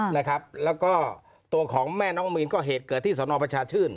แล้วก็ตัวของแม่น้องมีนก็เหตุเกิดที่สนประชาชื่น